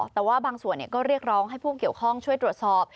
แต่ว่าบางส่วนก็เรียกร้องให้ผู้เกี่ยวข้องช่วยตรวจสอบ